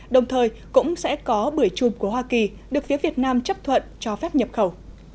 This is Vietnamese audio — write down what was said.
đồng thời cũng sẽ có bưởi chùm của hoa kỳ được phía việt nam chấp thuận cho phép nhập khẩu